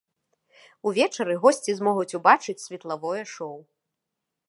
Увечары госці змогуць убачыць светлавое шоў.